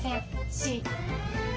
Ｃ。